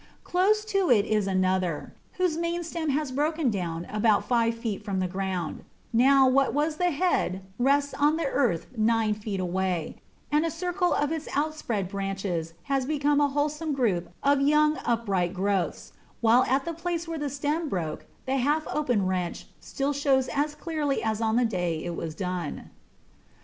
Close to it is another, whose main stem was broken down about five feet from the ground; now, what was the head rests on the earth nine feet away, and a circle of its outspread branches has become a wholesome group of young upright growths, while at the place where the stem broke, the half opened wrench still shows as clearly as on the day it was done.